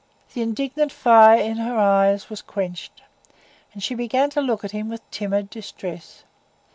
The indignant fire in her eyes was quenched, and she began to look at him with timid distress.